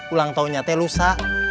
ulang tahunnya teh lusa